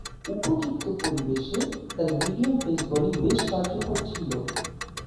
উপযুক্ত পরিবেশে তার মিডিয়াম পেস বোলিং বেশ কার্যকর ছিল।